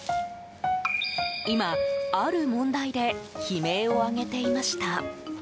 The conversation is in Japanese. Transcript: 今、ある問題で悲鳴を上げていました。